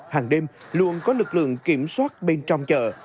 hàng đêm luôn có lực lượng kiểm soát bên trong chợ